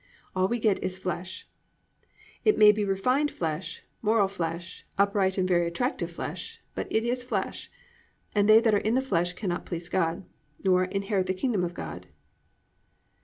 All we get is "flesh." It may be refined flesh, moral flesh, upright and very attractive flesh, but it is flesh; and "they that are in the flesh cannot please God," nor "inherit the kingdom of God."